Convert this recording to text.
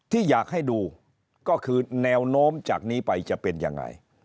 ที่อยากให้ดูก็คือแนวโน้มจากนี้ไปจะเป็นยังไง